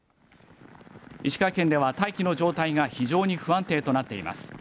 石川県では大気の状態が非常に不安定となっています。